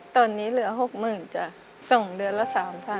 ตัวนี้เหลือ๖๐๐๐๐บาทจ่ะส่งเดือนละ๓๐๐๐บาท๒